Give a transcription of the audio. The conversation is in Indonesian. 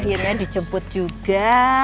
akhirnya dijemput juga